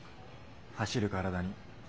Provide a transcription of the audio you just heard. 「走る身体」に。